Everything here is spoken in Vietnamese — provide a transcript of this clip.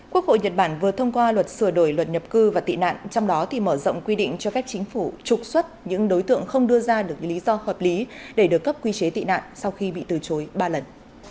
quốc hội nhật bản vừa thông qua luật sửa đổi luật nhập cư và tị nạn trong đó thì mở rộng quy định cho phép chính phủ trục xuất những đối tượng không đưa ra được lý do hợp lý để được cấp quy chế tị nạn sau khi bị từ chối ba lần